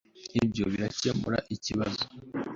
ibyo biracyakemura ikibazo